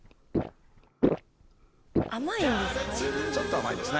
甘いんですか？